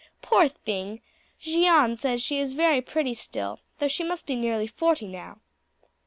Poor thing! Jeanne says she is very pretty still, though she must be nearly forty now."